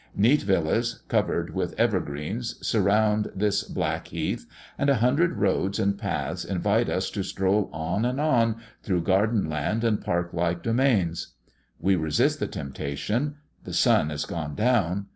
Neat villas, covered with evergreens, surround this black heath, and a hundred roads and paths invite us to stroll on and on, through garden land and park like domains. We resist the temptation. The sun has gone down.